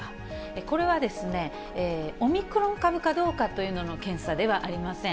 これはオミクロン株かどうかというのの検査ではありません。